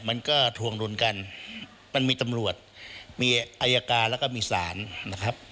มันก็ทวงดุลกันมันมีตำรวจมีอายการแล้วก็มีศาลนะครับ